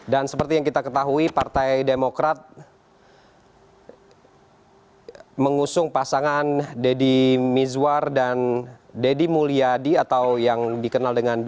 dan seperti yang kita ketahui partai demokrat mengusung pasangan dedy mizwar dan dedy mulyadi atau yang dikenal dengan dua d